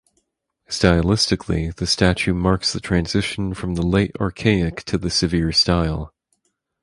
Stylistically the statue marks the transition from the late archaic to the Severe Style.